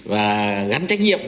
và gắn trách nhiệm